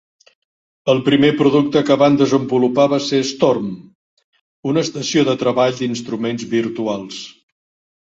El primer producte que van desenvolupar va ser Storm, una estació de treball d'instruments virtuals.